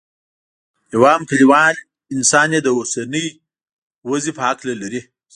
یو عام کلیوال انسان یې د اوسنۍ وضعې په هکله لري.